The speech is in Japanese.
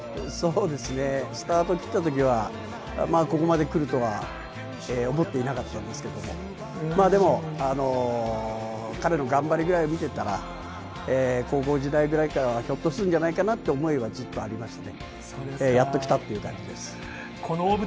スタートを切った時はここまで来るとは、思っていなかったんですけれども、彼の頑張りを見ていたら、高校時代くらいからは、ひょっとするんじゃないかなという思いはずっとありましたね。